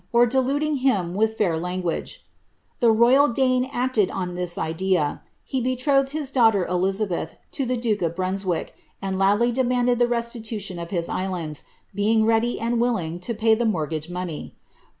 or deluding him with fair language," The roval Dane acted on ihu iilea; he betrothed his daughter Elizabeth lo the duke of Ifrunswick. ini loudly demanded ihe restitution of his islands, being ready and willing lo pay tlie mortgage money.